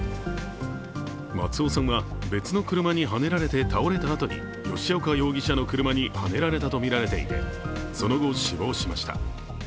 松尾さんは別の車にはねられて倒れたあとに吉岡容疑者の車にはねられたとみられていて、その後、死亡しました。